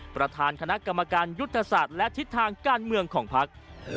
ประธานคณะกรรมการยุทธศาสตร์และทิศทางการเมืองของพัก